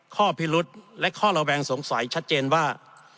ข้อพิรุษและข้อระแวงสงสัยชัดเจนว่า